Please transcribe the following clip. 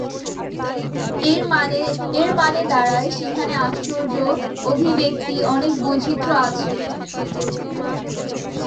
এর মানে দাঁড়ায়, সেখানে আশ্চর্য অভিব্যক্তির অনেক বৈচিত্র্য আছে।